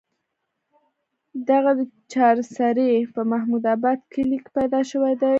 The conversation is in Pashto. دے د چارسرې پۀ محمود اباد کلي کښې پېدا شوے دے